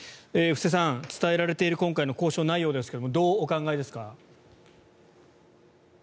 布施さん伝えられている今回の停戦交渉の内容ですがどうお考えですか。